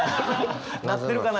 なってるかな？